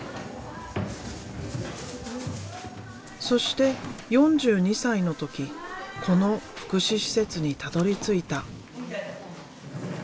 そして４２歳の時この福祉施設にたどりついた。